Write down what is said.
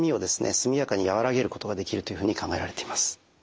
速やかに和らげることができるというふうに考えられています。